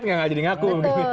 tidak jadi ngaku